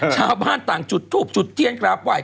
ชาวบ้านต่างจุดทูบจุดเทียนกราบไหว้